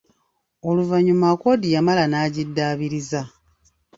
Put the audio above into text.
Oluvannyuma Accord yamala n'agidaabiriza.